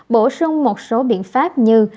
bổ sung một số biện pháp như